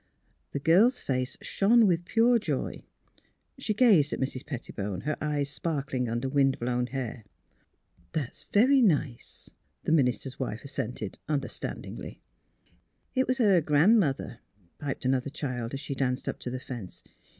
The girl's face shone with pure joy; she gazed at Mrs. Pettibone, her eyes sparkling under wind blown hair. '' That is very nice," the minister's wife as sented, understandingly. " It was her Gran 'mother," piped another child, as she danced up to the fence.